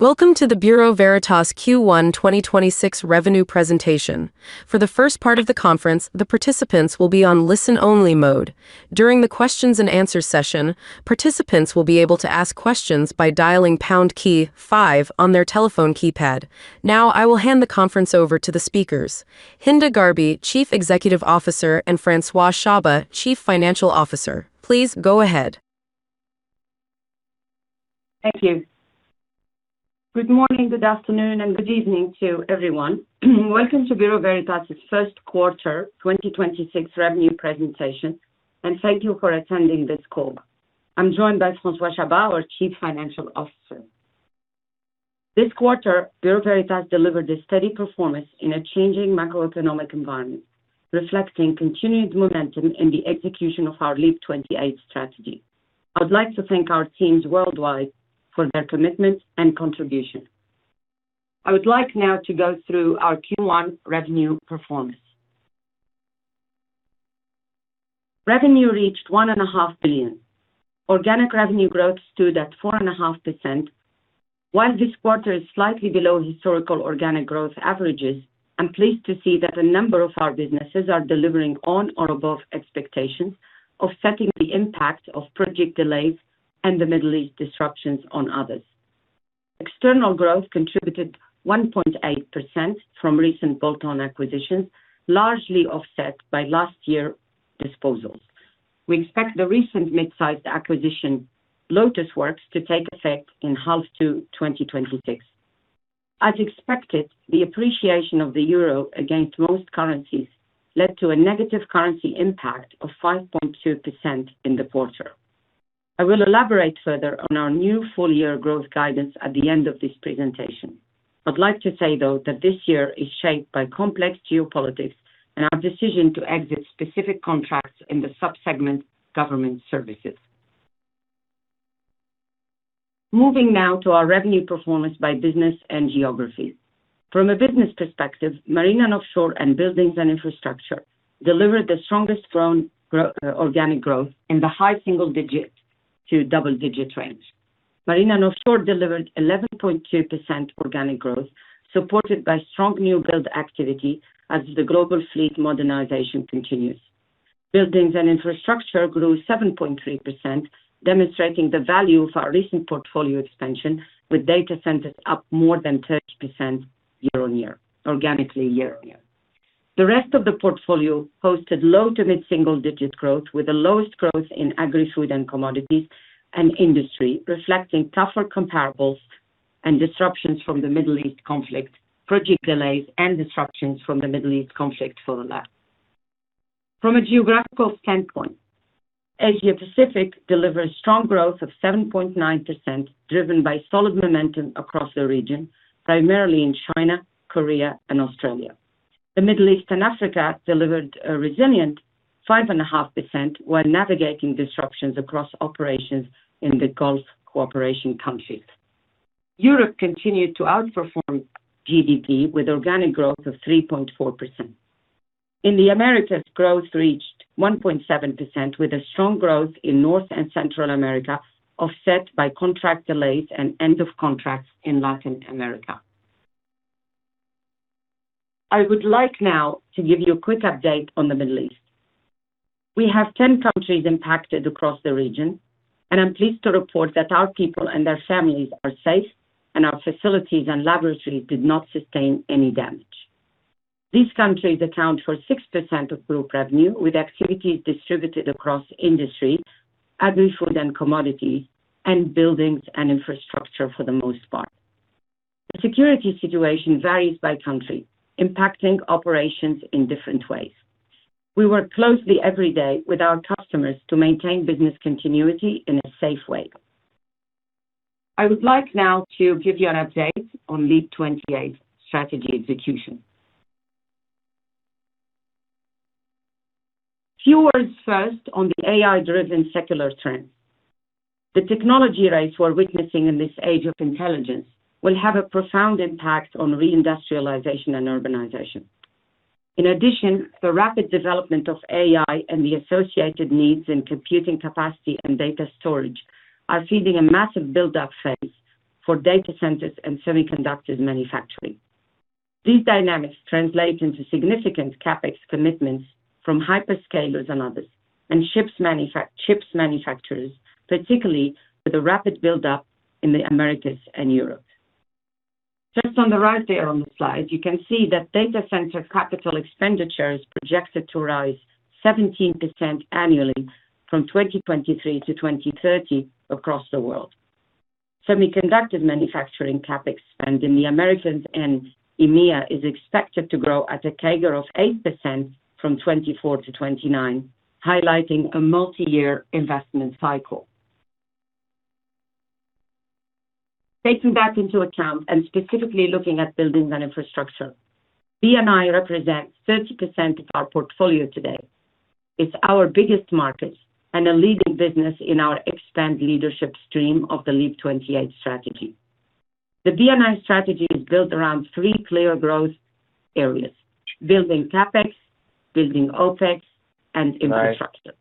Welcome to the Bureau Veritas Q1 2026 revenue presentation. For the first part of the conference, the participants will be on listen-only mode. During the questions and answers session, participants will be able to ask questions by dialing pound key five on their telephone keypad. Now, I will hand the conference over to the speakers, Hinda Gharbi, Chief Executive Officer, and François Chabas, Chief Financial Officer. Please go ahead. Thank you. Good morning, good afternoon, and good evening to everyone. Welcome to Bureau Veritas' first quarter 2026 revenue presentation, and thank you for attending this call. I'm joined by François Chabas, our Chief Financial Officer. This quarter, Bureau Veritas delivered a steady performance in a changing macroeconomic environment, reflecting continued momentum in the execution of our LEAP 28 strategy. I would like to thank our teams worldwide for their commitment and contribution. I would like now to go through our Q1 revenue performance. Revenue reached 1.5 billion. Organic revenue growth stood at 4.5%. While this quarter is slightly below historical organic growth averages, I'm pleased to see that a number of our businesses are delivering on or above expectations, offsetting the impact of project delays and the Middle East disruptions on others. External growth contributed 1.8% from recent bolt-on acquisitions, largely offset by last year disposals. We expect the recent mid-sized acquisition, LotusWorks, to take effect in H2 2026. As expected, the appreciation of the euro against most currencies led to a negative currency impact of 5.2% in the quarter. I will elaborate further on our new full-year growth guidance at the end of this presentation. I'd like to say, though, that this year is shaped by complex geopolitics and our decision to exit specific contracts in the sub-segment Government Services. Moving now to our revenue performance by business and geography. From a business perspective, Marine & Offshore and Buildings & Infrastructure delivered the strongest organic growth in the high single-digit to double-digit range. Marine & Offshore delivered 11.2% organic growth, supported by strong new build activity as the global fleet modernization continues. Buildings & Infrastructure grew 7.3%, demonstrating the value of our recent portfolio expansion, with data centers up more than 30% year-on-year, organically year-on-year. The rest of the portfolio posted low to mid single digit growth, with the lowest growth in Agri-Food & Commodities and Industry, reflecting tougher comparables and disruptions from the Middle East conflict, project delays for the latter. From a geographical standpoint, Asia Pacific delivered strong growth of 7.9%, driven by solid momentum across the region, primarily in China, Korea and Australia. The Middle East and Africa delivered a resilient 5.5% while navigating disruptions across operations in the Gulf Cooperation Council countries. Europe continued to outperform GDP with organic growth of 3.4%. In the Americas, growth reached 1.7%, with a strong growth in North and Central America, offset by contract delays and end of contracts in Latin America. I would like now to give you a quick update on the Middle East. We have 10 countries impacted across the region, and I'm pleased to report that our people and their families are safe, and our facilities and laboratories did not sustain any damage. These countries account for 6% of group revenue, with activities distributed across Industry, Agri-Food & Commodities, and Buildings & Infrastructure, for the most part. The security situation varies by country, impacting operations in different ways. We work closely every day with our customers to maintain business continuity in a safe way. I would like now to give you an update on LEAP 28 strategy execution. A few words first on the AI-driven secular trends. The technology race we're witnessing in this age of intelligence will have a profound impact on re-industrialization and urbanization. In addition, the rapid development of AI and the associated needs in computing capacity and data storage are feeding a massive build-up phase for data centers and semiconductor manufacturing. These dynamics translate into significant CapEx commitments from hyperscalers and others, and chip manufacturers, particularly with a rapid build-up in the Americas and Europe. Just on the right there on the slide, you can see that data center capital expenditure is projected to rise 17% annually from 2023 to 2030 across the world. Semiconductor manufacturing CapEx spend in the Americas and EMEA is expected to grow at a CAGR of 8% from 2024 to 2029, highlighting a multi-year investment cycle. Taking that into account and specifically looking at Buildings & Infrastructure, B&I represents 30% of our portfolio today. It's our biggest market and a leading business in our expand leadership stream of the LEAP 28 strategy. The B&I strategy is built around three clear growth areas, building CapEx, building OpEx, and infrastructure.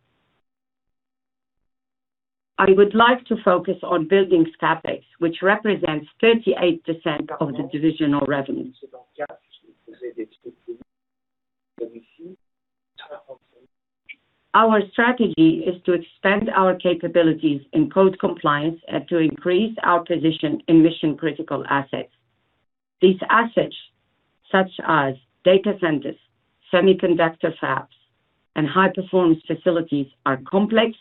I would like to focus on buildings CapEx, which represents 38% of the divisional revenue. Our strategy is to expand our capabilities in code compliance and to increase our position in mission-critical assets. These assets, such as data centers, semiconductor fabs, and high-performance facilities, are complex,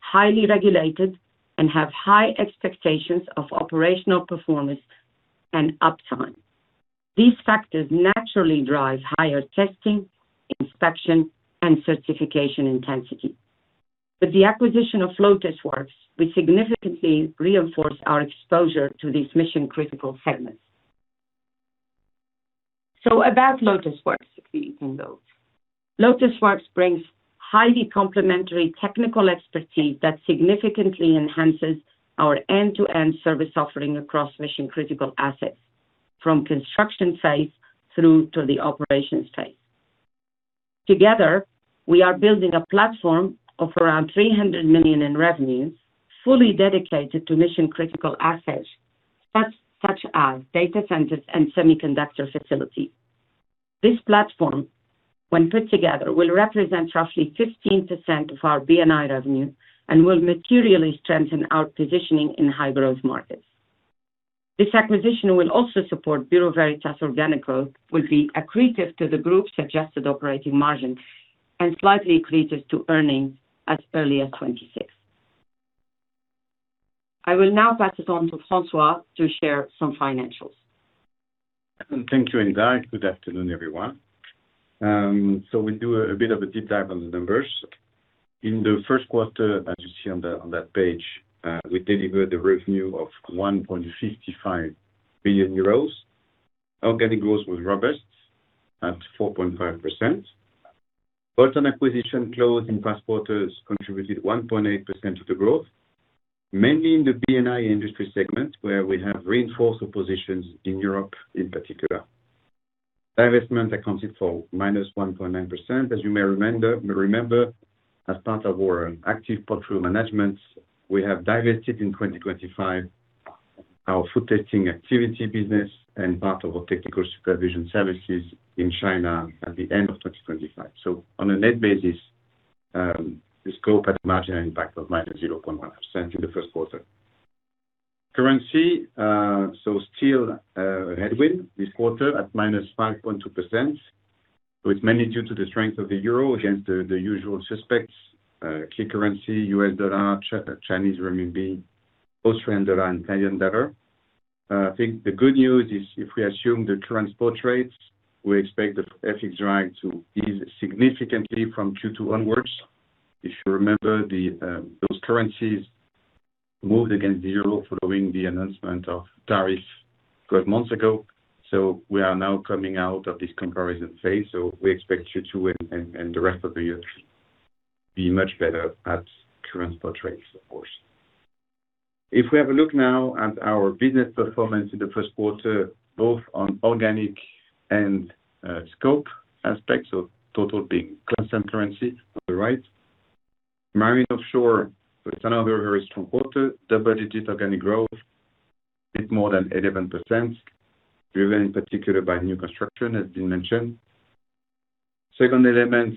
highly regulated, and have high expectations of operational performance and uptime. These factors naturally drive higher testing, inspection, and certification intensity. With the acquisition of LotusWorks, we significantly reinforce our exposure to these mission-critical segments. About LotusWorks, if we can go. LotusWorks brings highly complementary technical expertise that significantly enhances our end-to-end service offering across mission-critical assets, from construction phase through to the operations phase. Together, we are building a platform of around 300 million in revenues, fully dedicated to mission-critical assets such as data centers and semiconductor facilities. This platform, when put together, will represent roughly 15% of our B&I revenue and will materially strengthen our positioning in high-growth markets. This acquisition will also support Bureau Veritas' organic growth, will be accretive to the group's adjusted operating margin, and slightly accretive to earnings as early as 2026. I will now pass it on to François to share some financials. Thank you, Hinda. Good afternoon, everyone. We'll do a bit of a deep dive on the numbers. In the first quarter, as you see on that page, we delivered a revenue of 1.55 billion euros. Organic growth was robust at 4.5%. Bolt-on acquisition closed, and acquisitions contributed 1.8% of the growth, mainly in the B&I industry segment, where we have reinforced our positions in Europe in particular. Divestment accounted for -1.9%. As you may remember, as part of our active portfolio management, we have divested in 2025 our food testing activity business and part of our technical supervision services in China at the end of 2025. On a net basis, the scope had a marginal impact of -0.1% in the first quarter. Currency, still a headwind this quarter at -5.2%, which is mainly due to the strength of the euro against the usual suspects, key currencies, U.S. dollar, Chinese renminbi, Australian dollar, and Canadian dollar. I think the good news is if we assume the current spot rates, we expect the FX drag to ease significantly from Q2 onwards. If you remember, those currencies moved against the euro following the announcement of tariffs a few months ago. We are now coming out of this comparison phase, so we expect Q2 and the rest of the year to be much better at current spot rates, of course. If we have a look now at our business performance in the first quarter, both on organic and scope aspects, so total being constant currency on the right. Marine & Offshore was another very strong quarter. Double-digit organic growth, a bit more than 11%, driven in particular by new construction, as has been mentioned. Second element,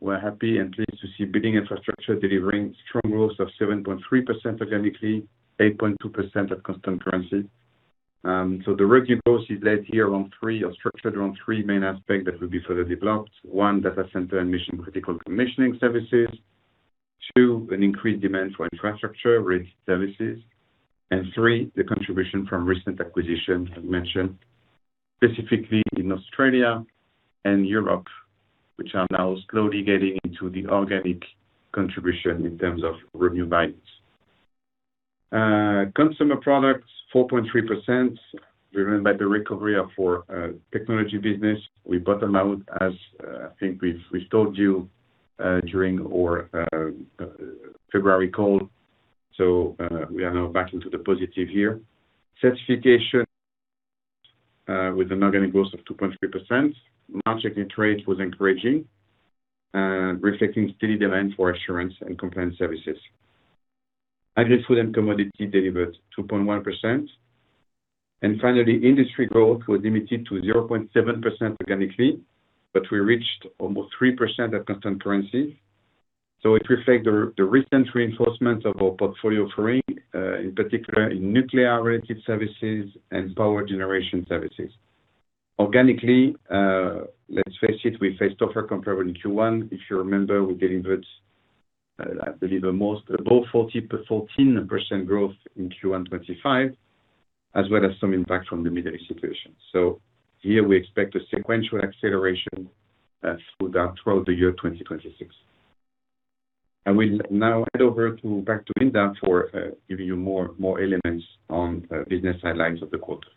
we're happy and pleased to see Buildings & Infrastructure delivering strong growth of 7.3% organically, 8.2% at constant currency. The revenue growth is led here structured around three main aspects that will be further developed. One, data center and mission-critical commissioning services. Two, an increased demand for infrastructure-related services, and three, the contribution from recent acquisitions I've mentioned, specifically in Australia and Europe, which are now slowly getting into the organic contribution in terms of revenue values. Consumer Products, 4.3%, driven by the recovery of our technology business. We bottom out, as I think we've told you during our February call, so we are now back into the positive here. Certification with an organic growth of 2.3%. Marine and trade was encouraging, reflecting steady demand for assurance and compliance services. Agri-Food and Commodities delivered 2.1%. Finally, Industry growth was limited to 0.7% organically, but we reached almost 3% at constant currency. It reflects the recent reinforcement of our portfolio offering, in particular in nuclear-related services and power generation services. Organically, let's face it, we faced tougher comparables in Q1. If you remember, we delivered, I believe, almost above 14% growth in Q1 2025, as well as some impact from the Middle East situation. Here we expect a sequential acceleration throughout the year 2026. We'll now hand it back to Hinda Gharbi for giving you more elements on the business highlights of the quarter.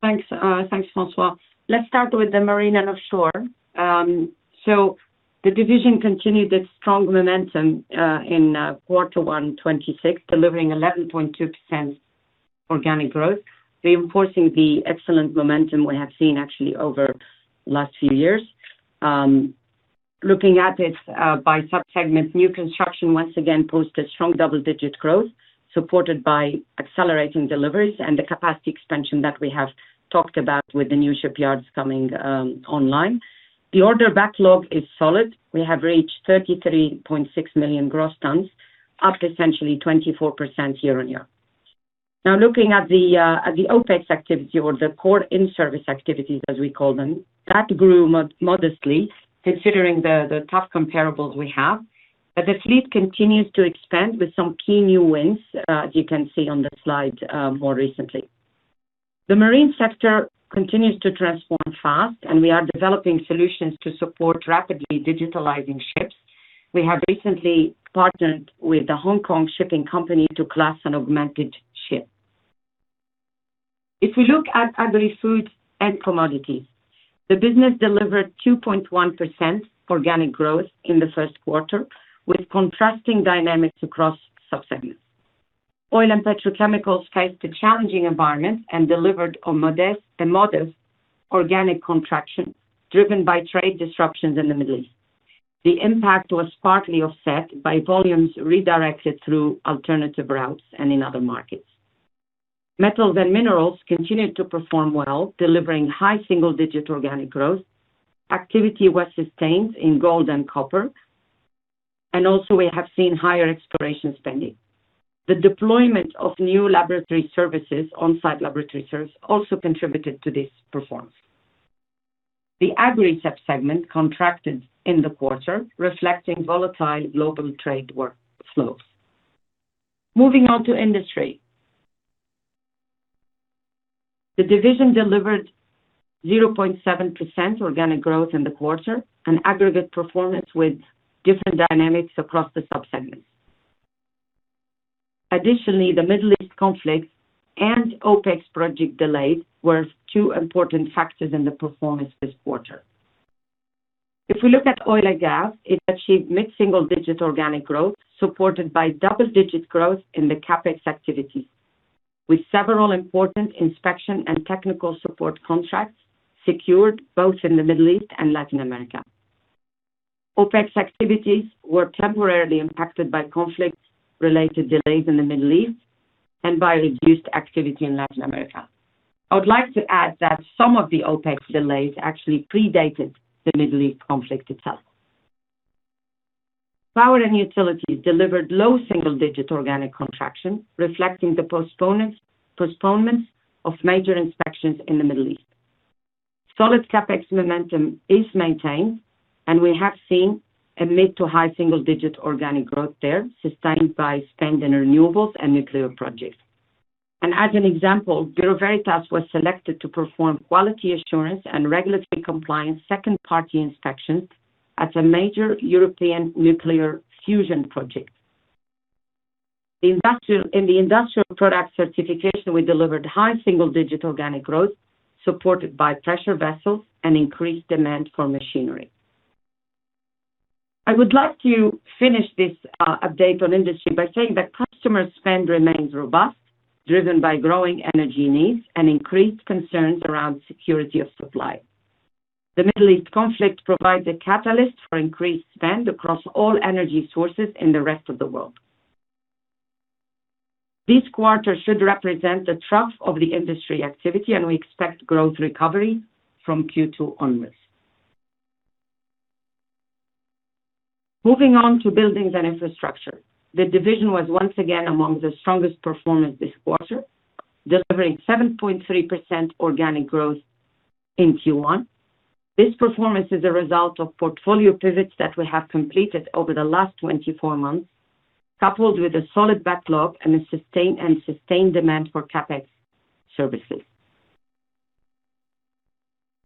Thanks, François. Let's start with the Marine & Offshore. The division continued its strong momentum in Q1 2026, delivering 11.2% organic growth, reinforcing the excellent momentum we have seen actually over the last few years. Looking at it by sub-segments, new construction once again posted strong double-digit growth, supported by accelerating deliveries and the capacity expansion that we have talked about with the new shipyards coming online. The order backlog is solid. We have reached 33.6 million gross tons, up essentially 24% year-on-year. Now looking at the OpEx activity or the core in-service activities, as we call them, that grew modestly considering the tough comparables we have. The fleet continues to expand with some key new wins, as you can see on the slide more recently. The marine sector continues to transform fast, and we are developing solutions to support rapidly digitalizing ships. We have recently partnered with the Hong Kong Shipping Company to class an augmented ship. If we look at Agri-Food & Commodities, the business delivered 2.1% organic growth in the first quarter with contrasting dynamics across sub-segments. Oil & Petrochemicals faced a challenging environment and delivered a modest organic contraction driven by trade disruptions in the Middle East. The impact was partly offset by volumes redirected through alternative routes and in other markets. Metals and minerals continued to perform well, delivering high single-digit organic growth. Activity was sustained in gold and copper, and also we have seen higher exploration spending. The deployment of new laboratory services, on-site laboratory service, also contributed to this performance. The Agri sub-segment contracted in the quarter, reflecting volatile global trade workflows. Moving on to Industry. The division delivered 0.7% organic growth in the quarter and an aggregate performance with different dynamics across the sub-segments. Additionally, the Middle East conflict and OpEx project delays were two important factors in the performance this quarter. If we look at oil and gas, it achieved mid-single-digit organic growth, supported by double-digit growth in the CapEx activities, with several important inspection and technical support contracts secured both in the Middle East and Latin America. OpEx activities were temporarily impacted by conflict-related delays in the Middle East and by reduced activity in Latin America. I would like to add that some of the OpEx delays actually predated the Middle East conflict itself. Power and utilities delivered low double-digit organic contraction, reflecting the postponements of major inspections in the Middle East. Solid CapEx momentum is maintained, and we have seen a mid- to high single-digit organic growth there, sustained by spend in renewables and nuclear projects. As an example, Bureau Veritas was selected to perform quality assurance and regulatory compliance second-party inspections at a major European nuclear fusion project. In the industrial product certification, we delivered high single-digit organic growth, supported by pressure vessels and increased demand for machinery. I would like to finish this update on industry by saying that customer spend remains robust, driven by growing energy needs and increased concerns around security of supply. The Middle East conflict provides a catalyst for increased spend across all energy sources in the rest of the world. This quarter should represent the trough of the industry activity, and we expect growth recovery from Q2 onwards. Moving on to Buildings & Infrastructure. The division was once again among the strongest performers this quarter, delivering 7.3% organic growth in Q1. This performance is a result of portfolio pivots that we have completed over the last 24 months, coupled with a solid backlog and a sustained demand for CapEx services.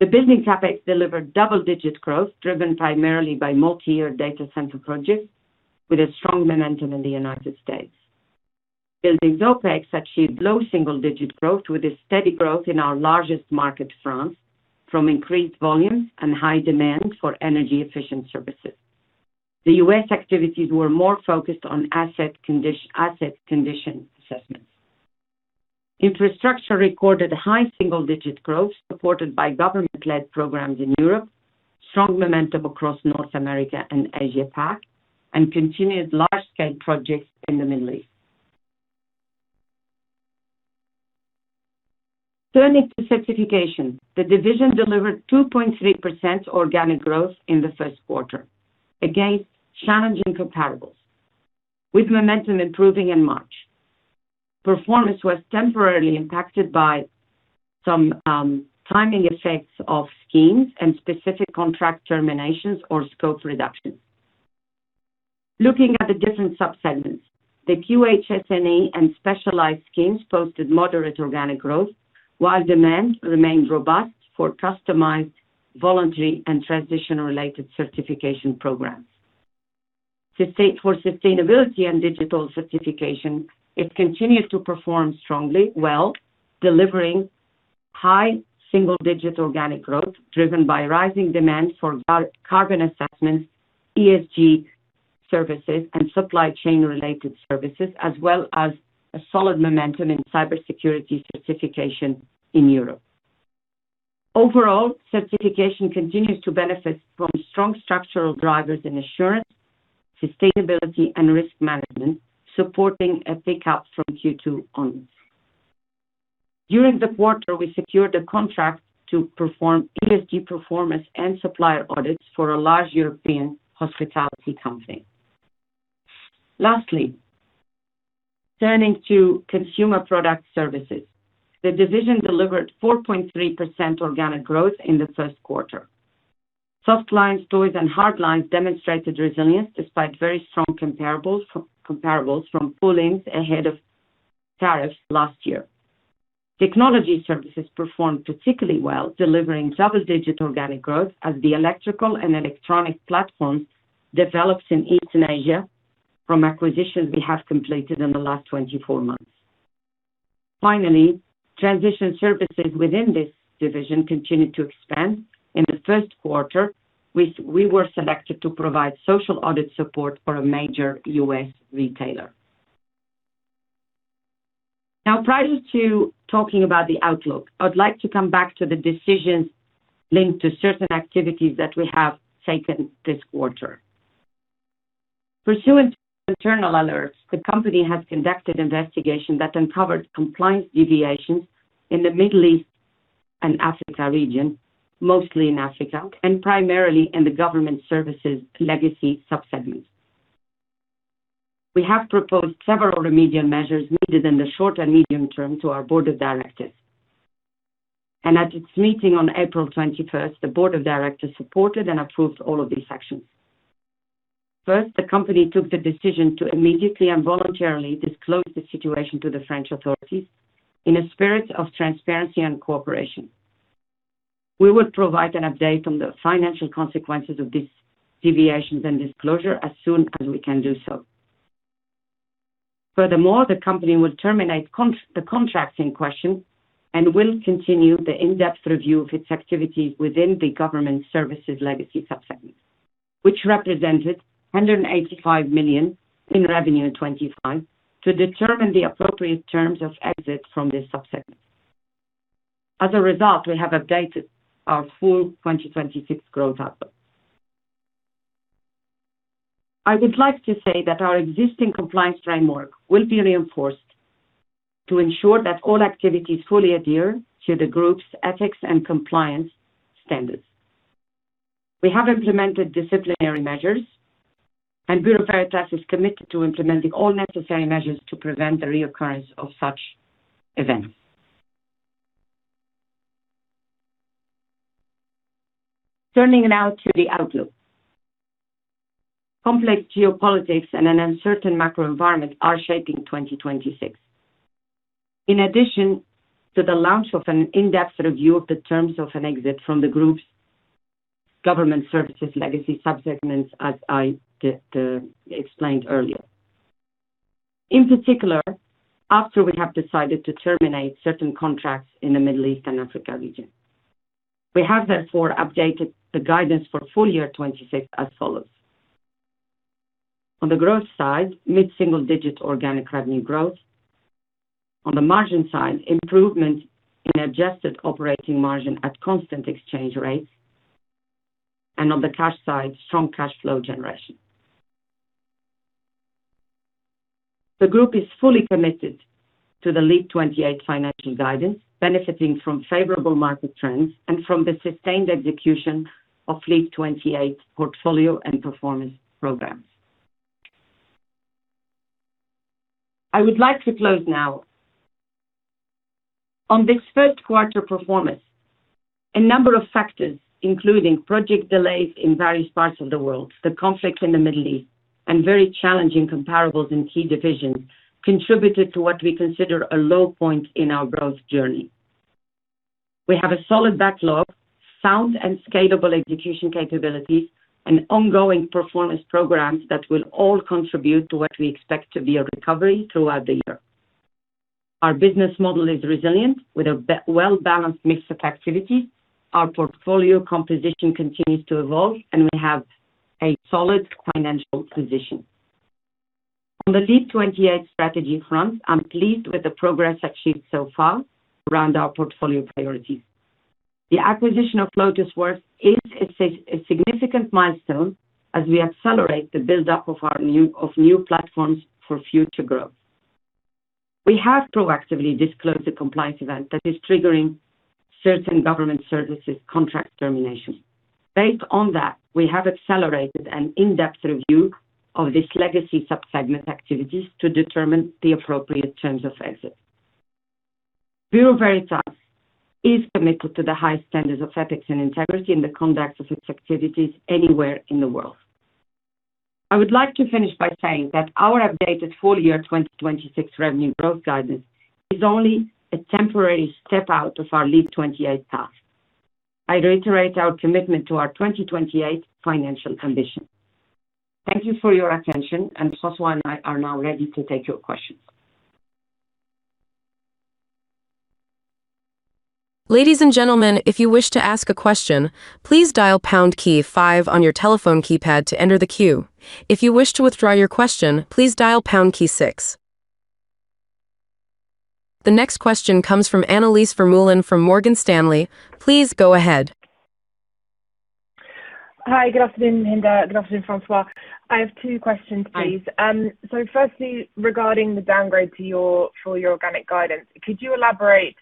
Buildings CapEx delivered double-digit growth, driven primarily by multi-year data center projects with a strong momentum in the United States. Buildings OpEx achieved low single-digit growth with a steady growth in our largest market, France, from increased volumes and high demand for energy efficient services. The U.S. activities were more focused on asset condition assessments. Infrastructure recorded high single-digit growth supported by government-led programs in Europe, strong momentum across North America and Asia Pac, and continued large-scale projects in the Middle East. Turning to Certification. The division delivered 2.3% organic growth in the first quarter. Again, challenging comparables, with momentum improving in March. Performance was temporarily impacted by some timing effects of schemes and specific contract terminations or scope reductions. Looking at the different sub-segments. The QHSE and specialized schemes posted moderate organic growth, while demand remained robust for customized, voluntary, and transition-related certification programs. For sustainability and digital certification, it continued to perform strongly, well, delivering high single-digit organic growth driven by rising demand for carbon assessments, ESG services, and supply-chain-related services, as well as a solid momentum in cybersecurity certification in Europe. Overall, Certification continues to benefit from strong structural drivers in assurance, sustainability and risk management, supporting a pick-up from Q2 onwards. During the quarter, we secured a contract to perform ESG performance and supplier audits for a large European hospitality company. Lastly, turning to Consumer Products. The division delivered 4.3% organic growth in the first quarter. Softline, toys, and hardlines demonstrated resilience despite very strong comparables from pull-ins ahead of tariffs last year. Technology services performed particularly well, delivering double-digit organic growth as the electrical and electronic platforms develops in Eastern Asia from acquisitions we have completed in the last 24 months. Finally, transition services within this division continued to expand. In the first quarter, we were selected to provide social audit support for a major U.S. retailer. Now prior to talking about the outlook, I would like to come back to the decisions linked to certain activities that we have taken this quarter. Pursuant to internal alerts, the company has conducted investigation that uncovered compliance deviations in the Middle East and Africa region, mostly in Africa, and primarily in the Government Services legacy sub-segment. We have proposed several remedial measures needed in the short and medium term to our board of directors. At its meeting on April 21st, the board of directors supported and approved all of these actions. First, the company took the decision to immediately and voluntarily disclose the situation to the French authorities in a spirit of transparency and cooperation. We will provide an update on the financial consequences of these deviations and disclosure as soon as we can do so. Furthermore, the company will terminate the contracts in question and will continue the in-depth review of its activities within the Government Services legacy sub-segment, which represented 185 million in revenue in 2025 to determine the appropriate terms of exit from this sub-segment. As a result, we have updated our full 2026 growth outlook. I would like to say that our existing compliance framework will be reinforced to ensure that all activities fully adhere to the group's ethics and compliance standards. We have implemented disciplinary measures, and Bureau Veritas is committed to implementing all necessary measures to prevent the reoccurrence of such events. Turning now to the outlook. Complex geopolitics and an uncertain macro environment are shaping 2026, in addition to the launch of an in-depth review of the terms of an exit from the group's Government Services legacy sub-segments, as I explained earlier, in particular after we have decided to terminate certain contracts in the Middle East and Africa region. We have therefore updated the guidance for full year 2026 as follows. On the growth side, mid-single-digit organic revenue growth. On the margin side, improvement in adjusted operating margin at constant exchange rates, and on the cash side, strong cash flow generation. The group is fully committed to the LEAP 28 financial guidance, benefiting from favorable market trends and from the sustained execution of LEAP 28 portfolio and performance programs. I would like to close now. On this first quarter performance, a number of factors, including project delays in various parts of the world, the conflict in the Middle East, and very challenging comparables in key divisions, contributed to what we consider a low point in our growth journey. We have a solid backlog, sound and scalable execution capabilities, and ongoing performance programs that will all contribute to what we expect to be a recovery throughout the year. Our business model is resilient with a well-balanced mix of activities. Our portfolio composition continues to evolve, and we have a solid financial position. On the LEAP 28 strategy front, I'm pleased with the progress achieved so far around our portfolio priorities. The acquisition of LotusWorks is a significant milestone as we accelerate the buildup of new platforms for future growth. We have proactively disclosed the compliance event that is triggering certain Government Services contract termination. Based on that, we have accelerated an in-depth review of this legacy sub-segment activities to determine the appropriate terms of exit. Bureau Veritas is committed to the high standards of ethics and integrity in the conduct of its activities anywhere in the world. I would like to finish by saying that our updated full year 2026 revenue growth guidance is only a temporary step out of our LEAP 28 path. I reiterate our commitment to our 2028 financial condition. Thank you for your attention, and François and I are now ready to take your questions. Ladies and gentlemen, if you wish to ask a question, please dial pound key five on your telephone keypad to enter the queue. If you wish to withdraw your question, please dial pound key six. The next question comes from Annelies Vermeulen from Morgan Stanley. Please go ahead. Hi. Good afternoon, Hinda. Good afternoon, François. I have two questions, please. Hi. Firstly, regarding the downgrade for your organic guidance, could you elaborate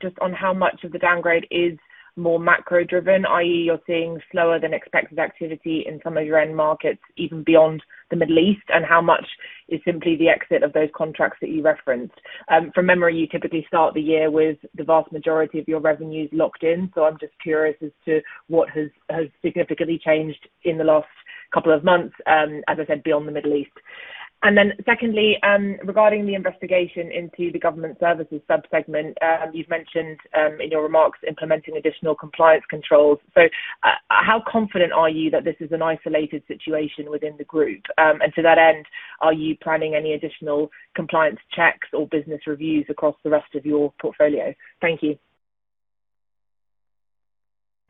just on how much of the downgrade is more macro-driven, i.e., you're seeing slower than expected activity in some of your end markets, even beyond the Middle East? How much is simply the exit of those contracts that you referenced? From memory, you typically start the year with the vast majority of your revenues locked in, so I'm just curious as to what has significantly changed in the last couple of months, as I said, beyond the Middle East. Secondly, regarding the investigation into the government services sub-segment, you've mentioned in your remarks implementing additional compliance controls. How confident are you that this is an isolated situation within the group? To that end, are you planning any additional compliance checks or business reviews across the rest of your portfolio? Thank you.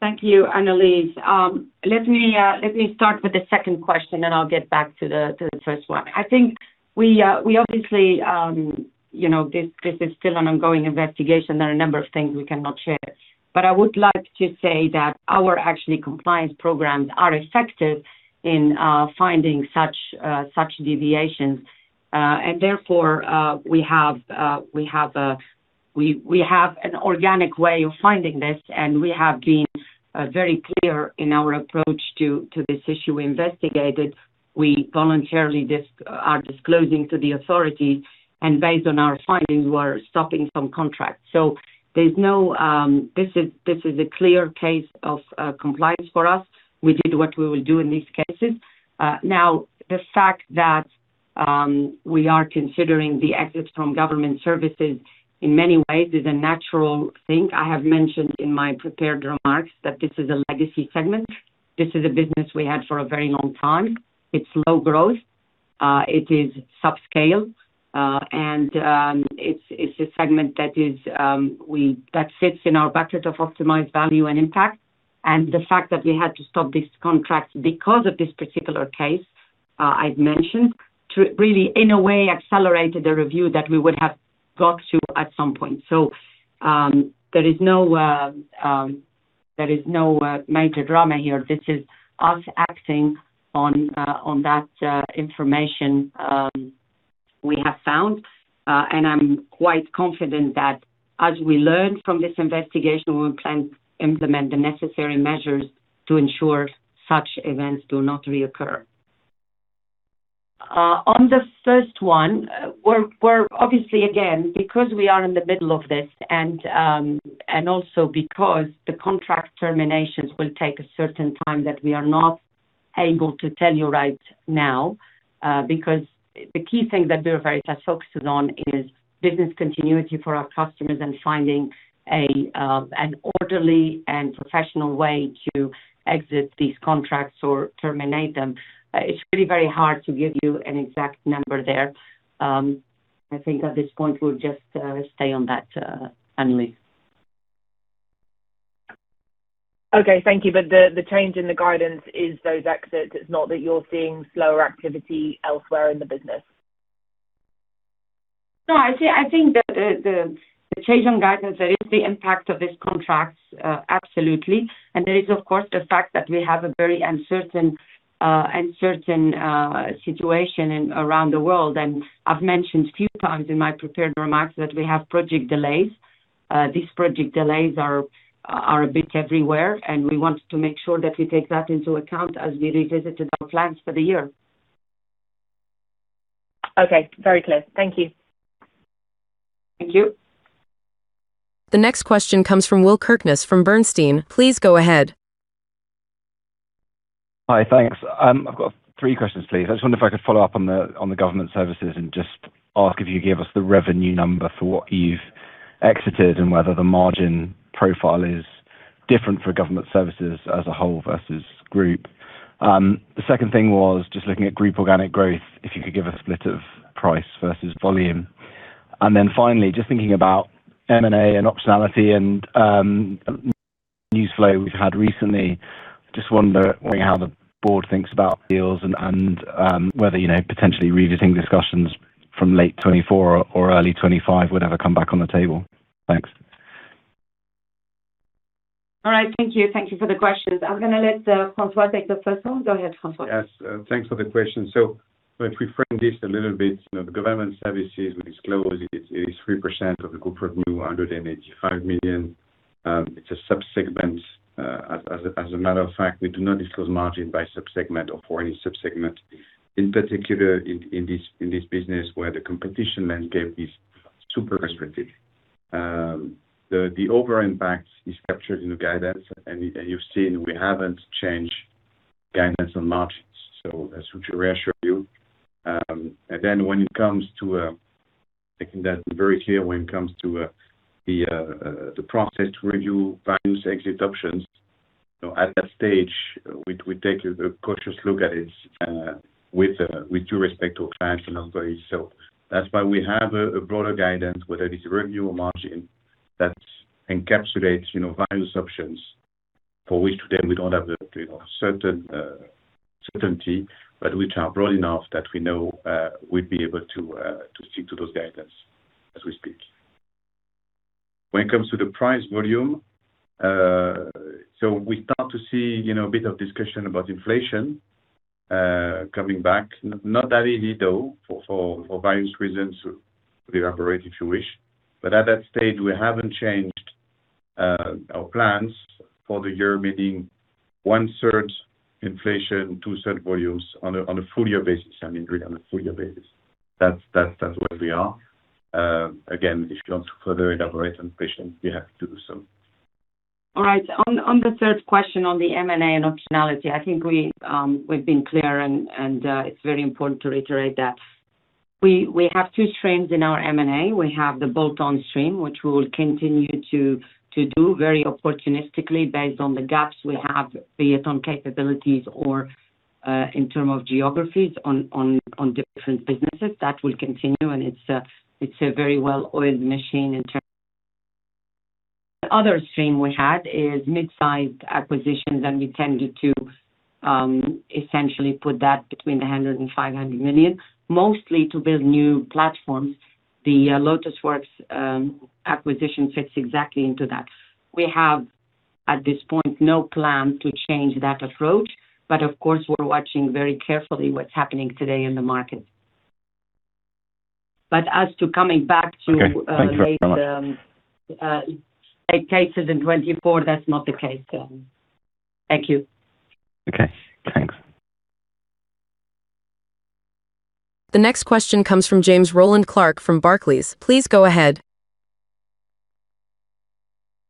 Thank you, Annelies. Let me start with the second question, then I'll get back to the first one. I think we obviously this is still an ongoing investigation. There are a number of things we cannot share. I would like to say that our actually compliance programs are effective in finding such deviations. Therefore, we have an organic way of finding this, and we have been very clear in our approach to this issue investigated. We voluntarily are disclosing to the authorities, and based on our findings, we're stopping some contracts. This is a clear case of compliance for us. We did what we will do in these cases. Now, the fact that we are considering the exits from Government Services in many ways is a natural thing. I have mentioned in my prepared remarks that this is a legacy segment. This is a business we had for a very long time. It's low growth. It is subscale. It's a segment that sits in our bucket of optimized value and impact. The fact that we had to stop this contract because of this particular case, I've mentioned, to really, in a way, accelerated the review that we would have got to at some point. There is no major drama here. This is us acting on that information we have found. I'm quite confident that as we learn from this investigation, we will plan to implement the necessary measures to ensure such events do not reoccur. On the first one, we're obviously, again, because we are in the middle of this and also because the contract terminations will take a certain time that we are not able to tell you right now, because the key thing that we're very focused on is business continuity for our customers and finding an orderly and professional way to exit these contracts or terminate them. It's really very hard to give you an exact number there. I think at this point, we'll just stay on that, Annelies. Okay, thank you. The change in the guidance is those exits. It's not that you're seeing slower activity elsewhere in the business. No, I think the change in guidance, there is the impact of these contracts, absolutely. There is, of course, the fact that we have a very uncertain situation around the world. I've mentioned a few times in my prepared remarks that we have project delays. These project delays are a bit everywhere, and we want to make sure that we take that into account as we revisited our plans for the year. Okay, very clear. Thank you. Thank you. The next question comes from Will Kirkness from Bernstein. Please go ahead. Hi, thanks. I've got three questions, please. I just wonder if I could follow up on the Government Services and just ask if you could give us the revenue number for what you've exited and whether the margin profile is different for Government Services as a whole versus group. The second thing was just looking at group organic growth, if you could give a split of price versus volume. Finally, just thinking about M&A and optionality and news flow we've had recently, just wondering how the board thinks about deals and whether potentially revisiting discussions from late 2024 or early 2025 would ever come back on the table. Thanks. All right, thank you. Thank you for the questions. I'm going to let François take the first one. Go ahead, François. Yes. Thanks for the question. If we frame this a little bit, the Government Services we disclosed is 3% of the group revenue, 185 million. It's a sub-segment. As a matter of fact, we do not disclose margin by sub-segment or for any sub-segment, in particular in this business where the competition landscape is super competitive. The overall impact is captured in the guidance, and you've seen we haven't changed guidance on margins. That's what reassures you. When it comes to the process to review various exit options. At that stage, we take a cautious look at it with due respect to our clients and ourselves. That's why we have a broader guidance, whether it is revenue or margin, that encapsulates various options for which today we don't have the certainty, but which are broad enough that we know we'll be able to stick to those guidelines as we speak. When it comes to the price volume, we start to see a bit of discussion about inflation coming back, not that easy though, for various reasons. We elaborate, if you wish. At that stage, we haven't changed our plans for the year, meaning one-third inflation, two-thirds volumes on a full year basis. I mean, really on a full year basis. That's where we are. Again, if you want to further elaborate on inflation, I'm happy to do so. All right. On the third question on the M&A and optionality, I think we've been clear, and it's very important to reiterate that. We have two streams in our M&A. We have the bolt-on stream, which we will continue to do very opportunistically based on the gaps we have, be it on capabilities or in terms of geographies on different businesses. That will continue, and it's a very well-oiled machine in terms of. The other stream we had is mid-sized acquisitions, and we tended to essentially put that between 100 million and 500 million, mostly to build new platforms. The LotusWorks acquisition fits exactly into that. We have, at this point, no plan to change that approach. Of course, we're watching very carefully what's happening today in the market. As to coming back to- Okay. Thank you very much. 8 cases in 2024, that's not the case. Thank you. Okay, thanks. The next question comes from James Rowland Clark from Barclays. Please go ahead.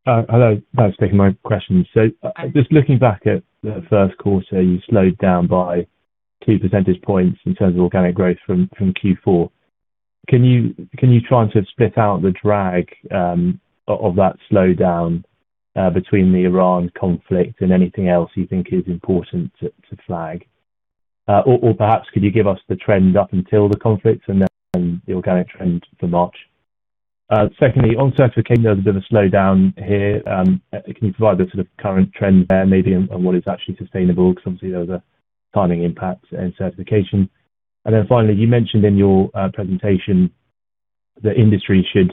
Hello. Thanks for taking my question. Just looking back at the first quarter, you slowed down by two percentage points in terms of organic growth from Q4. Can you try and sort of split out the drag of that slowdown between the Iran conflict and anything else you think is important to flag? Perhaps could you give us the trend up until the conflict and then the organic trend for March? Secondly, on Certification, there's a bit of a slowdown here. Can you provide the sort of current trend there maybe on what is actually sustainable? Because obviously, there was a timing impact in Certification. Then finally, you mentioned in your presentation that Industry should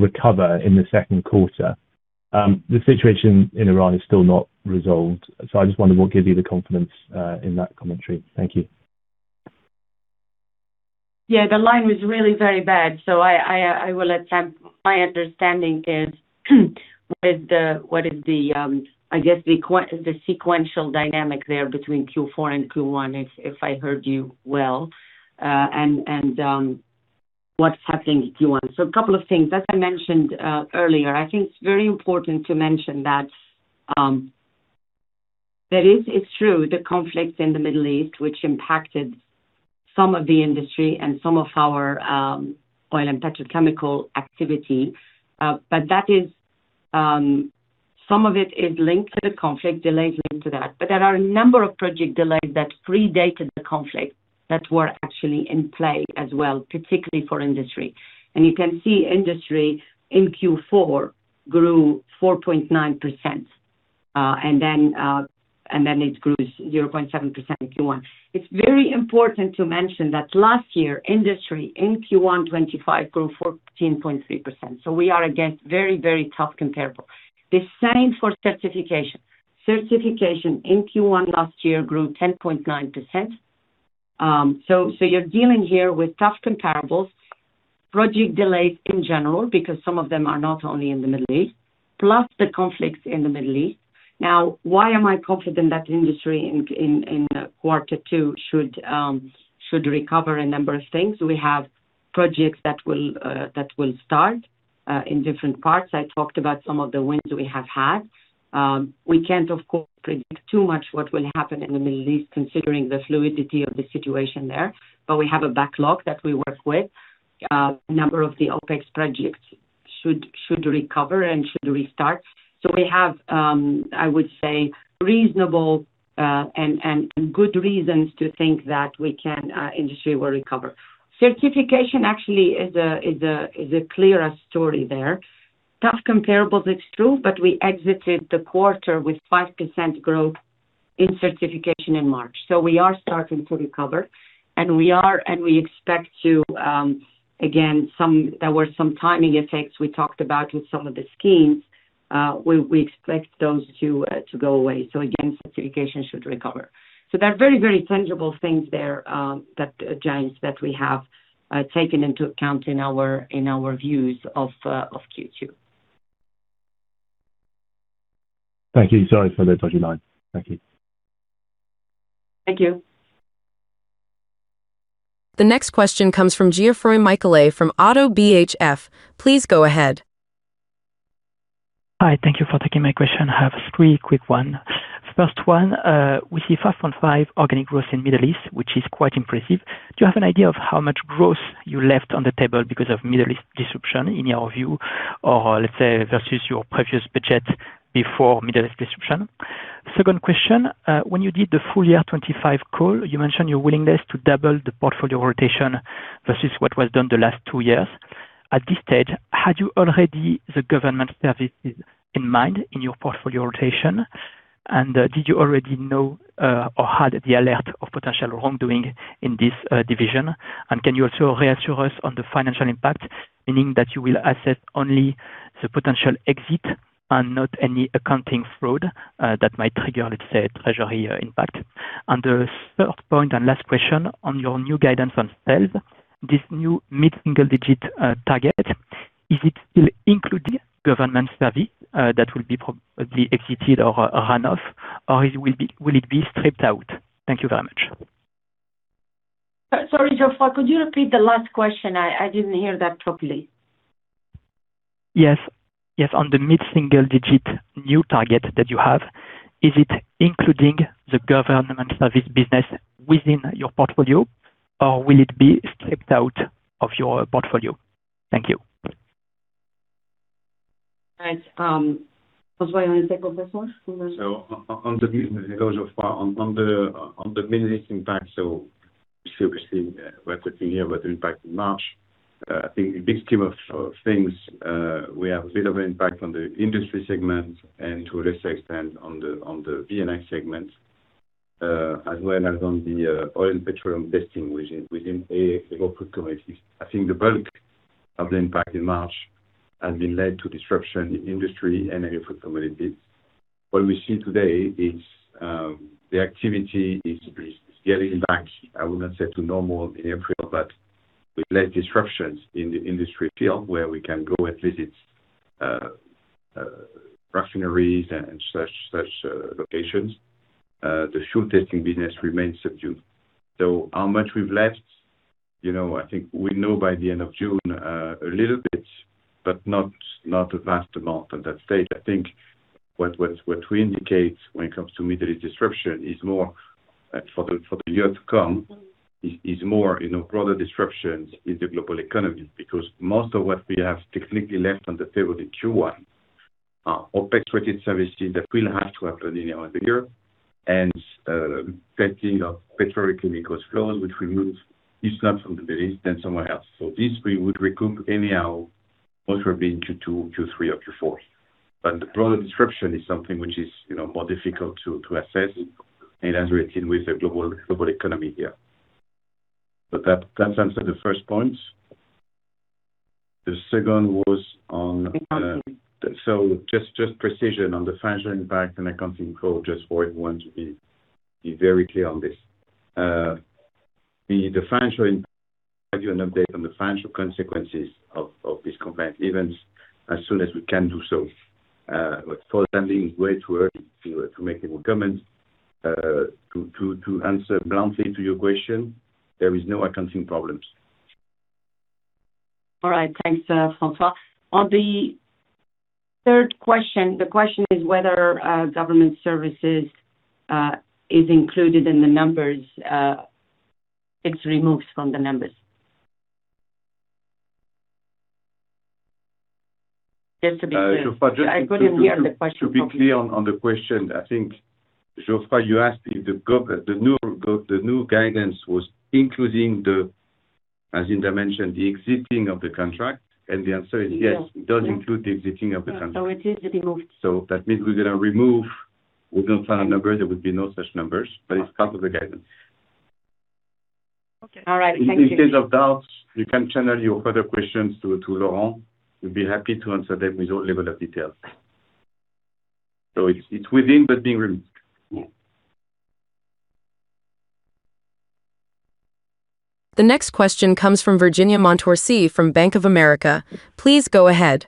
recover in the second quarter. The situation in Iran is still not resolved. I just wonder what gives you the confidence in that commentary. Thank you. Yeah, the line was really very bad. I will attempt. My understanding is with what is the, I guess the sequential dynamic there between Q4 and Q1, if I heard you well, and what's happening in Q1. A couple of things. As I mentioned earlier, I think it's very important to mention that it's true, the conflicts in the Middle East, which impacted some of the Industry and some of our Oil & Petrochemical activity. Some of it is linked to the conflict, delays linked to that. There are a number of project delays that predated the conflict that were actually in play as well, particularly for Industry. You can see Industry in Q4 grew 4.9%, and then it grew 0.7% in Q1. It's very important to mention that last year, Industry in Q1 2025 grew 14.3%. We are, again, very, very tough comparable. The same for Certification. Certification in Q1 last year grew 10.9%. You're dealing here with tough comparables, project delays in general, because some of them are not only in the Middle East, plus the conflicts in the Middle East. Now, why am I confident that Industry in quarter two should recover? A number of things. We have projects that will start in different parts. I talked about some of the wins we have had. We can't, of course, predict too much what will happen in the Middle East, considering the fluidity of the situation there. We have a backlog that we work with. A number of the OpEx projects should recover and should restart. We have, I would say, reasonable and good reasons to think that Industry will recover. Certification actually is the clearest story there. Tough comparables, it's true, but we exited the quarter with 5% growth in Certification in March. We are starting to recover. We expect to, again, there were some timing effects we talked about with some of the schemes. We expect those to go away. Again, Certification should recover. There are very, very tangible things there, James, that we have taken into account in our views of Q2. Thank you. Sorry for the dodgy line. Thank you. Thank you. The next question comes from Geoffroy Michelet from Oddo BHF. Please go ahead. Hi, thank you for taking my question. I have three quick ones. First one, we see 5.5% organic growth in Middle East, which is quite impressive. Do you have an idea of how much growth you left on the table because of Middle East disruption in your view, or let's say versus your previous budget before Middle East disruption? Second question, when you did the full year 2025 call, you mentioned your willingness to double the portfolio rotation versus what was done the last two years. At this stage, had you already the Government Services in mind in your portfolio rotation? And did you already know or had the alert of potential wrongdoing in this division? And can you also reassure us on the financial impact, meaning that you will assess only the potential exit and not any accounting fraud that might trigger, let's say, treasury impact? The third point and last question on your new guidance on sales, this new mid-single digit target, is it still including Government Services that will be probably exited or run off? Or will it be stripped out? Thank you very much. Sorry, Geoffroy, could you repeat the last question? I didn't hear that properly. Yes. On the mid-single-digit new target that you have, is it including the Government Services business within your portfolio or will it be stripped out of your portfolio? Thank you. Thanks. François, you want to take on this one? On the Middle East impact, so obviously we're talking here about the impact in March. In the big scheme of things, we have a bit of an impact on the Industry segment and to a lesser extent on the B&I segment, as well as on the Oil & Petrochemical testing within Agri-Food & Commodities. The bulk of the impact in March had led to disruption in Industry and Agri-Food & Commodities. What we see today is the activity is getting back. I would not say to normal in April, but with less disruptions in the Industry field where we can go and visit refineries and such locations. The shoe testing business remains subdued. How much we've left? I think we'll know by the end of June a little bit, but not a vast amount at that stage. I think what we indicate when it comes to Middle East disruption is more for the year to come, is more broader disruptions in the global economy. Because most of what we have technically left on the table in Q1 are OpEx-weighted services that will have to happen in our figure, and testing of petrochemicals flows, which we moved this lot from the Middle East, then somewhere else. This we would recoup anyhow, whether it be in Q2, Q3 or Q4. The broader disruption is something which is more difficult to assess, and has to do with the global economy here. That answers the first point. The second was on- The financial impact. Just precision on the financial impact and accounting code, just for everyone to be very clear on this. The financial impact, we'll give you an update on the financial consequences of these combined events as soon as we can do so. For the time being, way too early to make any more comments. To answer bluntly to your question, there is no accounting problems. All right. Thanks, François. On the third question, the question is whether Government Services is included in the numbers. It's removed from the numbers. Just to be clear. I couldn't hear the question properly. To be clear on the question, I think, Geoffroy, you asked if the new guidance was including the, as Hinda mentioned, the exiting of the contract, and the answer is yes, it does include the exiting of the contract. It is removed. That means we're going to find a number. There will be no such numbers, but it's part of the guidance. Okay. All right. Thank you. In case of doubts, you can channel your further questions to Laurent. We'd be happy to answer them with all level of details. It's within, but being removed. Yeah. The next question comes from Virginia Montorsi from Bank of America. Please go ahead.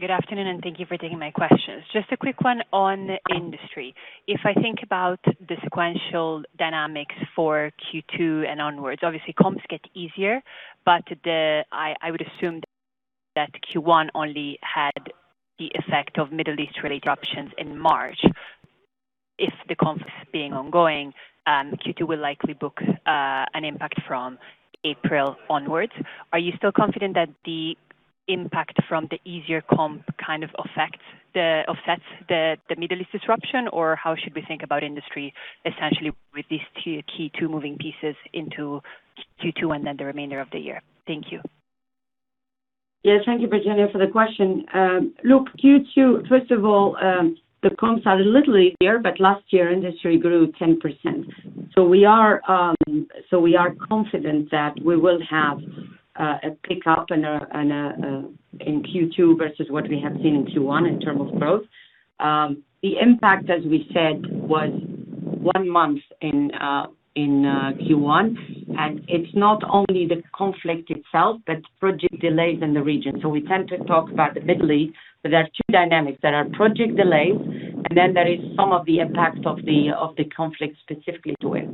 Good afternoon, and thank you for taking my questions. Just a quick one on Industry. If I think about the sequential dynamics for Q2 and onwards, obviously comps get easier, but I would assume that Q1 only had the effect of Middle East related operations in March. With the conflict being ongoing, Q2 will likely book an impact from April onwards. Are you still confident that the impact from the easier comp kind of offsets the Middle East disruption? Or how should we think about Industry essentially with these two key moving pieces into Q2 and then the remainder of the year? Thank you. Yes. Thank you, Virginia, for the question. Look, Q2, first of all, the comps are a little easier, but last year, Industry grew 10%. We are confident that we will have a pickup in Q2 versus what we have seen in Q1 in terms of growth. The impact, as we said, was one month in Q1. It's not only the conflict itself, but project delays in the region. We tend to talk about the Middle East, but there are two dynamics. There are project delays. Then there is some of the impacts of the conflict specifically to it.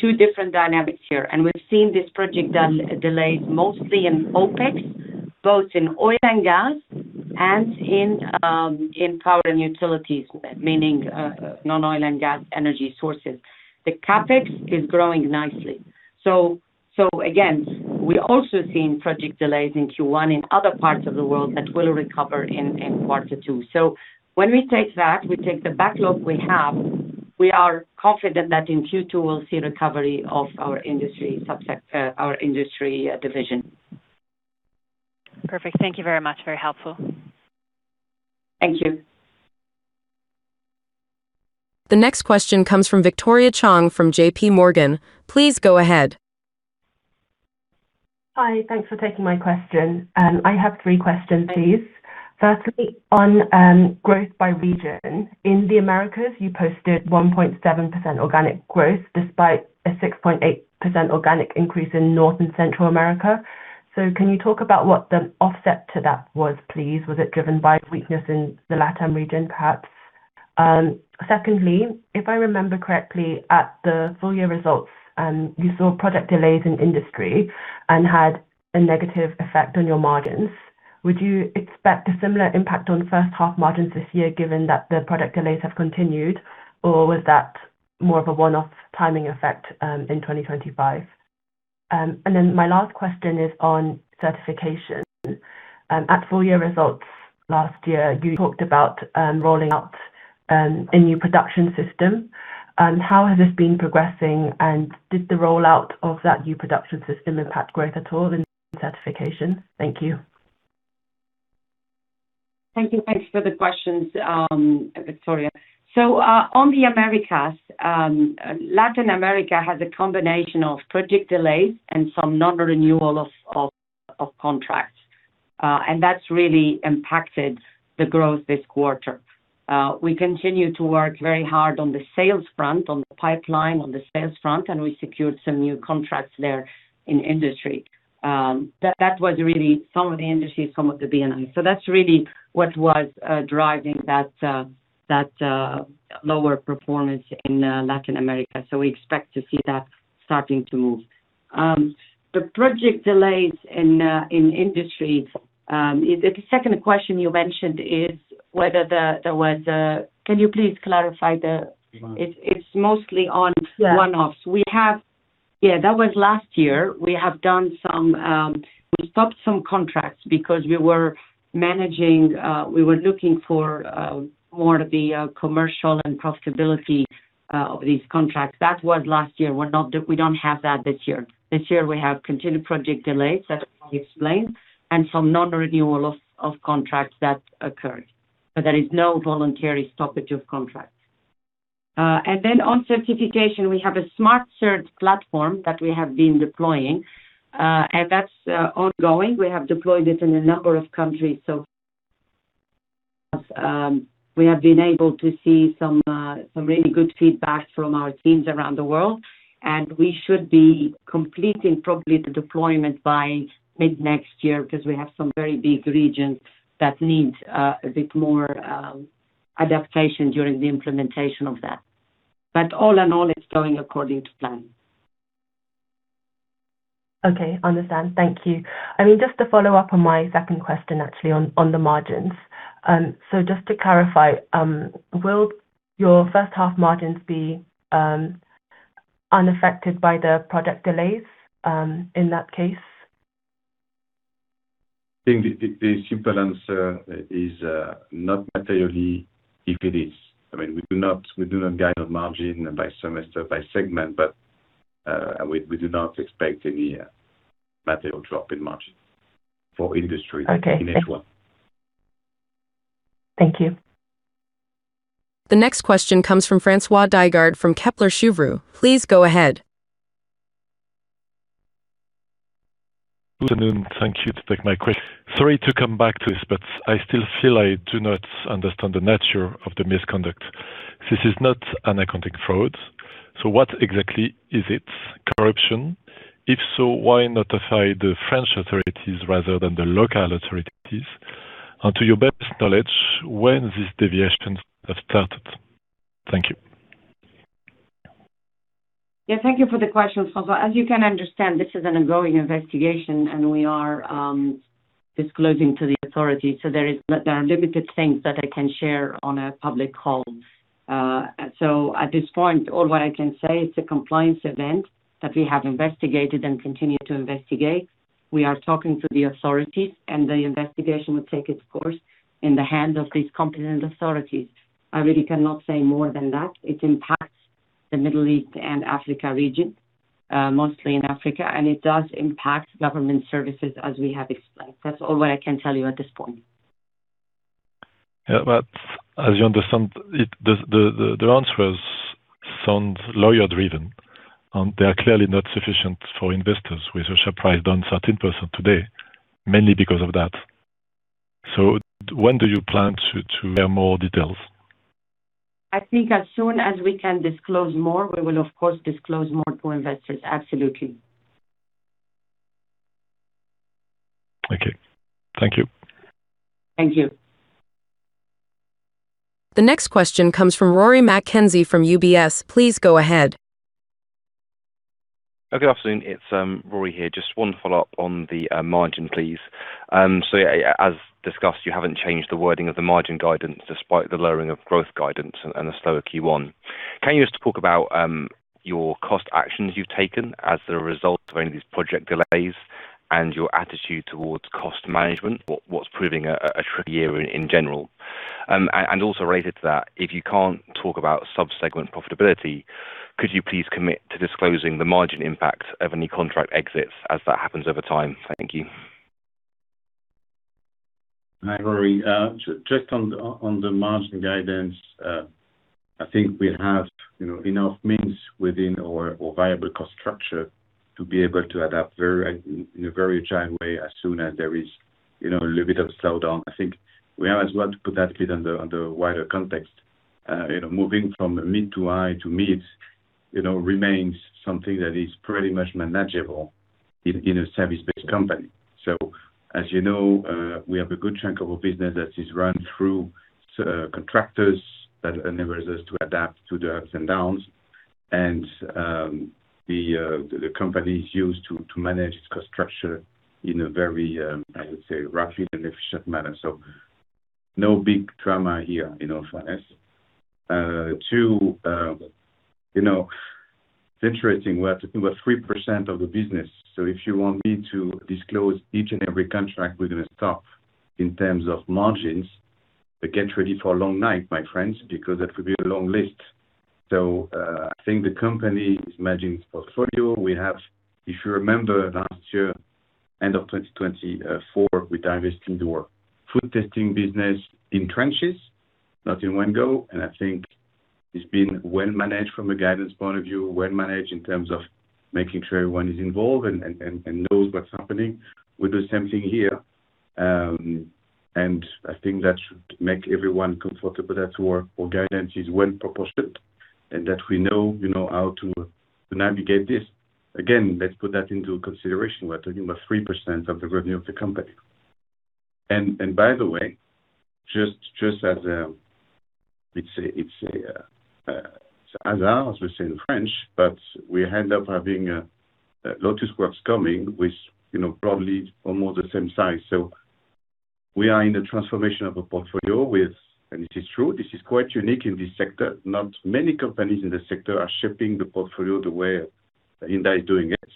Two different dynamics here. We've seen this project delays mostly in OpEx, both in oil and gas and in power and utilities, meaning non-oil and gas energy sources. The CapEx is growing nicely. Again, we also seen project delays in Q1 in other parts of the world that will recover in quarter two. When we take that, we take the backlog we have, we are confident that in Q2 we'll see recovery of our Industry division. Perfect. Thank you very much. Very helpful. Thank you. The next question comes from [Victoria Chong] from JP Morgan. Please go ahead. Hi. Thanks for taking my question. I have three questions, please. Firstly, on growth by region. In the Americas, you posted 1.7% organic growth despite a 6.8% organic increase in North and Central America. Can you talk about what the offset to that was, please? Was it driven by weakness in the LatAm region, perhaps? Secondly, if I remember correctly, at the full year results, you saw project delays in Industry and had a negative effect on your margins. Would you expect a similar impact on first half margins this year given that the project delays have continued, or was that more of a one-off timing effect, in 2025? Then my last question is on Certification. At full year results last year, you talked about rolling out a new production system. How has this been progressing, and did the rollout of that new production system impact growth at all in certification? Thank you. Thank you. Thanks for the questions, Victoria. On the Americas, Latin America has a combination of project delays and some non-renewal of contracts. That's really impacted the growth this quarter. We continue to work very hard on the sales front, on the pipeline, on the sales front, and we secured some new contracts there in Industry. That was really some of the industries, some of the B&I. That's really what was driving that lower performance in Latin America. We expect to see that starting to move. The project delays in Industry, the second question you mentioned is whether there was a. Can you please clarify? It's mostly on one-offs. Yeah, that was last year. We stopped some contracts because we were managing. We were looking for more of the commercial and profitability of these contracts. That was last year. We don't have that this year. This year, we have continued project delays, that I explained, and some non-renewal of contracts that occurred. There is no voluntary stoppage of contracts. On Certification, we have a SmartCert platform that we have been deploying, and that's ongoing. We have deployed it in a number of countries. So far, we have been able to see some really good feedback from our teams around the world, and we should be completing probably the deployment by mid-next year because we have some very big regions that need a bit more adaptation during the implementation of that. All in all, it's going according to plan. Okay, I understand. Thank you. Just to follow up on my second question, actually on the margins. Just to clarify, will your first half margins be unaffected by the product delays, in that case? I think the simple answer is not materially, if it is. We do not guide on margin by semester by segment, but we do not expect any material drop in margin for Industry in H1. Thank you. The next question comes from François Digard from Kepler Cheuvreux. Please go ahead. Good afternoon. Thank you to take my question. Sorry to come back to this, but I still feel I do not understand the nature of the misconduct. This is not an accounting fraud. What exactly is it? Corruption? If so, why notify the French authorities rather than the local authorities? To your best knowledge, when these deviations have started? Thank you. Yeah, thank you for the question, François. As you can understand, this is an ongoing investigation, and we are disclosing to the authorities. There are limited things that I can share on a public call. At this point, all what I can say, it's a compliance event that we have investigated and continue to investigate. We are talking to the authorities, and the investigation will take its course in the hands of these competent authorities. I really cannot say more than that. It impacts the Middle East and Africa region, mostly in Africa, and it does impact Government Services as we have explained. That's all what I can tell you at this point. Yeah, as you understand, the answers sound lawyer-driven. They are clearly not sufficient for investors with a share price down 13% today, mainly because of that. When do you plan to share more details? I think as soon as we can disclose more, we will of course disclose more to investors. Absolutely. Thank you. Thank you. The next question comes from Rory Mckenzie from UBS. Please go ahead. Oh, good afternoon. It's Rory here. Just one follow-up on the margin, please. Yeah, as discussed, you haven't changed the wording of the margin guidance despite the lowering of growth guidance and a slower Q1. Can you just talk about your cost actions you've taken as the result of any of these project delays and your attitude towards cost management, what's proving a tricky year in general? Also related to that, if you can't talk about sub-segment profitability, could you please commit to disclosing the margin impact of any contract exits as that happens over time? Thank you. Hi, Rory. Just on the margin guidance, I think we have enough means within our variable cost structure to be able to adapt in a very agile way as soon as there is a little bit of a slowdown. I think we have as well to put that in a wider context. Moving from mid to high to mid remains something that is pretty much manageable in a service-based company. As you know, we have a good chunk of our business that is run through contractors that enables us to adapt to the ups and downs. The company is used to manage its cost structure in a very efficient manner. No big drama here. Two, it's interesting, we're talking about 3% of the business, so if you want me to disclose each and every contract we're going to stop in terms of margins, but get ready for a long night, my friends, because that could be a long list. I think the company is managing its portfolio. We have, if you remember last year, end of 2024, we divested our food testing business in tranches, not in one go. I think it's been well managed from a guidance point of view, well managed in terms of making sure everyone is involved and knows what's happening. We do the same thing here. I think that should make everyone comfortable that our guidance is well proportioned and that we know how to navigate this. Again, let's put that into consideration. We're talking about 3% of the revenue of the company. By the way, just as it's hasard, as we say in French, but we end up having LotusWorks coming with probably almost the same size. We are in the transformation of a portfolio. It is true, this is quite unique in this sector. Not many companies in this sector are shaping the portfolio the way [Inditex] is doing it.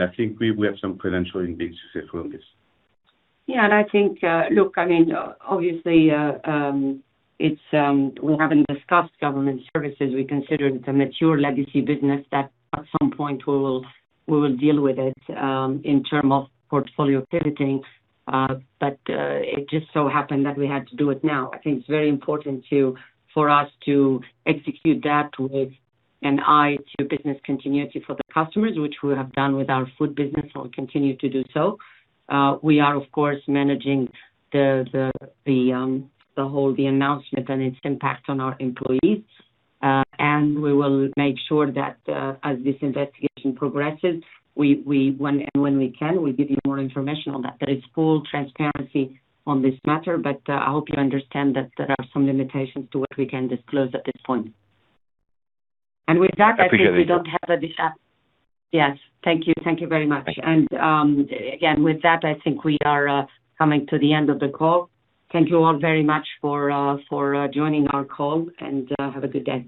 I think we have some credential indeed to success from this. Yeah, I think, look, obviously we haven't discussed Government Services. We consider it a mature legacy business that at some point we will deal with it in terms of portfolio pivoting. It just so happened that we had to do it now. I think it's very important for us to execute that with an eye to business continuity for the customers, which we have done with our food business and we'll continue to do so. We are, of course, managing the whole announcement and its impact on our employees. We will make sure that as this investigation progresses, and when we can, we give you more information on that. There is full transparency on this matter. I hope you understand that there are some limitations to what we can disclose at this point. With that, I think we don't have additional. Yes. Thank you. Thank you very much. Again, with that, I think we are coming to the end of the call. Thank you all very much for joining our call, and have a good day.